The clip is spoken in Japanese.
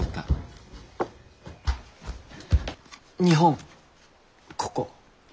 日本ここ。